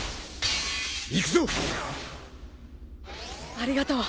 ありがとう。